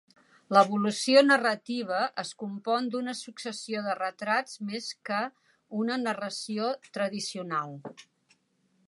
L'evolució narrativa es compon d'una successió de retrats més que una narració tradicional.